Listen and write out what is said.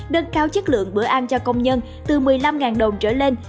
đơn cao chất lượng bữa ăn cho công nhân từ một mươi năm đồng trở lên